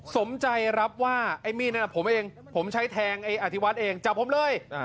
สมใจรับว่าไอ้มีดนั้นผมเองผมใช้แทงไอ้อธิวัฒน์เองจับผมเลย